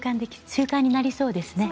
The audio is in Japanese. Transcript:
習慣になりそうですね。